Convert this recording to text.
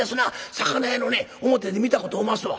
魚屋のね表で見たことおますわ。